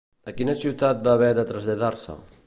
A quina ciutat va haver de traslladar-se?